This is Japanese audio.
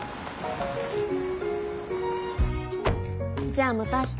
じゃあまた明日。